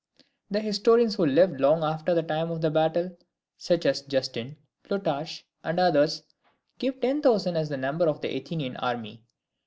[The historians who lived long after the time of the battle, such as Justin, Plutarch and others, give ten thousand as the number of the Athenian army.